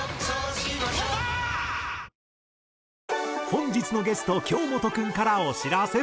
本日のゲスト京本君からお知らせ。